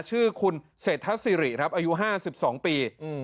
ชื่อคุณเศรษฐศิริครับอายุ๕๒ปี